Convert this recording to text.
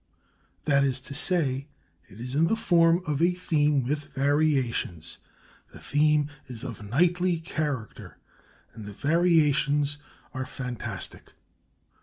That is to say, it is in the form of a theme with variations, the theme is of "knightly character," and the variations are "fantastic."